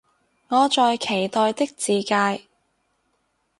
我在期待的自介